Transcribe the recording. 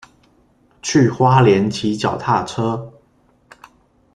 去花蓮騎腳踏車